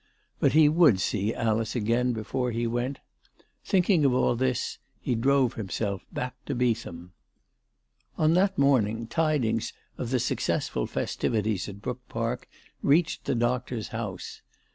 But he would see Alice again before he went. Thinking of all this, he drove himself back to Beetham. ALICE DUGDALE. 383 On that morning tidings of the successful festivities at Brook Park reached the doctor's house.